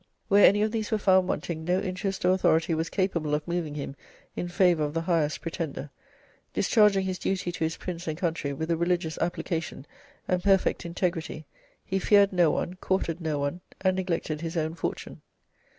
Where any of these were found wanting, no interest or authority was capable of moving him in favour of the highest pretender. Discharging his duty to his Prince and country with a religious application and perfect integrity, he feared no one, courted no one, and neglected his own fortune.'